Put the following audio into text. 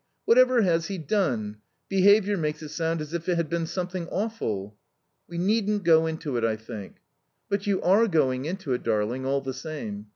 whatever has he done? 'Behaviour' makes it sound as if it had been something awful." "We needn't go into it, I think." "But you are going into it, darling, all the time.